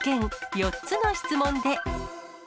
４つの質問で。